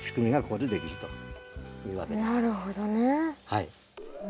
はい。